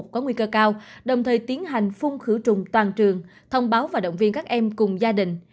có nguy cơ cao đồng thời tiến hành phun khử trùng toàn trường thông báo và động viên các em cùng gia đình